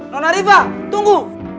nona rifa tunggu